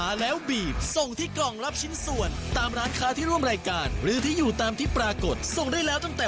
ขอแสดงความยินดีกับผู้ที่ได้รับรางวัลครับ